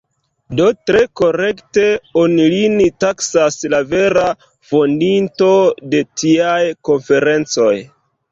Do tre korekte oni lin taksas la vera fondinto de tiaj konferencoj.